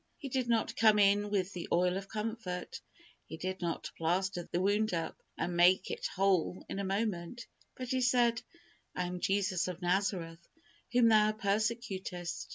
He did not come in with the oil of comfort; He did not plaster the wound up, and make it whole in a moment; but He said, "I am Jesus of Nazareth, whom thou persecutest."